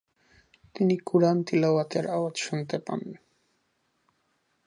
তিনি কুরআন তিলাওয়াতের আওয়াজ শুনতে পান।